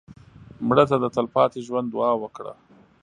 مړه ته د تلپاتې ژوند دعا وکړه